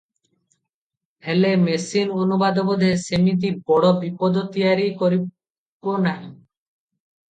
ହେଲେ ମେସିନ-ଅନୁବାଦ ବୋଧେ ସେମିତି ବଡ଼ ବିପଦ ତିଆରିବ ନାହିଁ ।